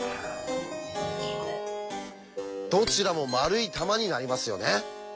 どちらも丸い球になりますよね。